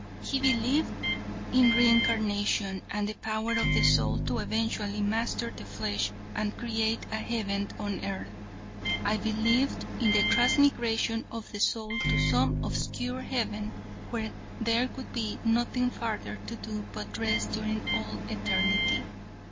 "'He believed in re incarnation, and the power of the soul to eventually master the flesh and create a heaven on earth. I believed in the transmigration of the soul to some obscure heaven where there would be nothing farther to do but rest during all eternity.